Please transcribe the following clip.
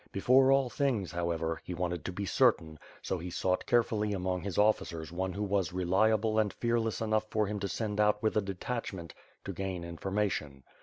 Before all things, however, he wanted to be certain; so he sought care fully among his officers one who was reliable and fearless enough for him to send out with a detachment to gain infor mation.